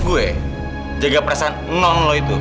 emang tugas gue jaga perasaan non lu itu